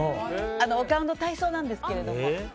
お顔の体操なんですけども。